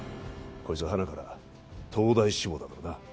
こいつははなから東大志望だからな